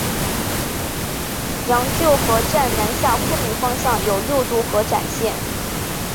羊臼河站南下昆明方向有六渡河展线。